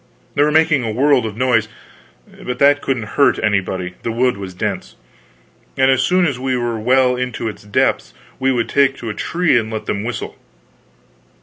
They were making a world of noise, but that couldn't hurt anybody; the wood was dense, and as soon as we were well into its depths we would take to a tree and let them whistle.